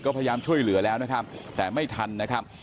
ก็พยายามช่วยเหลือแล้วนะครับแต่ไม่ทันนะครับ